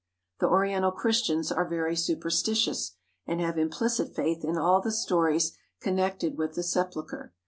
The Oriental Christians are very superstitious, and have implicit faith in all the stories connected with the Sepulchre.